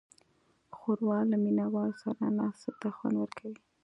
ښوروا له مینهوالو سره ناستې ته خوند ورکوي.